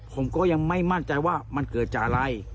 ผมก็ยังไม่มั่นใจว่ามันเกิดจากอะไร